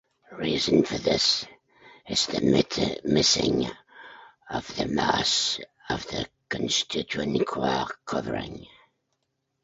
Reason for this is the missing of the mass of the constituent quark covering.